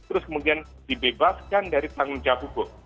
terus kemudian dibebaskan dari tanggung jawab hukum